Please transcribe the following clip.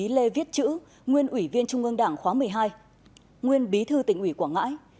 lê viết chữ nguyên ủy viên trung ương đảng khóa một mươi hai nguyên bí thư tỉnh ủy quảng ngãi